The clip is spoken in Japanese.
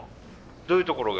どういうところが？